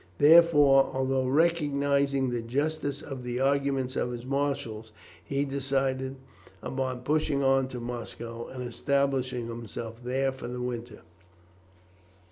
Therefore, although recognizing the justice of the arguments of his marshals, he decided upon pushing on to Moscow, and establishing himself there for the winter.